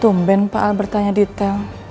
tumben pak al bertanya detail